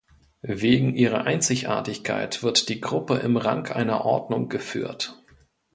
Wegen ihrer Einzigartigkeit wird die Gruppe im Rang einer Ordnung geführt.